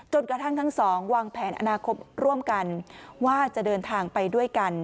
กระทั่งทั้งสองวางแผนอนาคตร่วมกันว่าจะเดินทางไปด้วยกัน